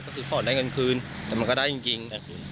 ก็คือขอได้เงินคืนแต่มันก็ได้จริง